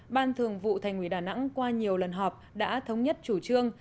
ban thường vụ thành ủy đà nẵng qua nhiều lần họp đã thống nhất chủ trương